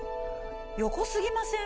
横過ぎません？